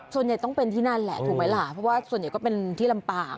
ส่วนใหญ่ต้องเป็นที่นั่นแหละถูกไหมล่ะเพราะว่าส่วนใหญ่ก็เป็นที่ลำปาง